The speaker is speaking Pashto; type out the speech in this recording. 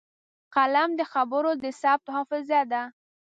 قلم د خبرو د ثبت حافظه ده